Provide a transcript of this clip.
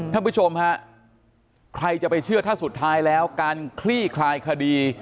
ท่านผู้ชมฮะใครจะไปเชื่อถ้าสุดท้ายแล้วการคลี่คลายคดี